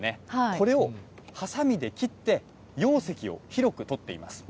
これをはさみで切って、容積を広く取っています。